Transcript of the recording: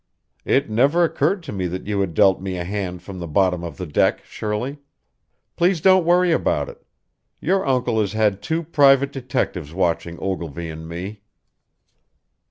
"It never occurred to me that you had dealt me a hand from the bottom of the deck, Shirley. Please don't worry about it. Your uncle has had two private detectives watching Ogilvy and me."